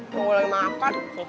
mau gue lagi makan